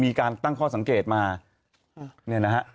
มีการตั้งข้อสังเกตมาเนี่ยนะฮะ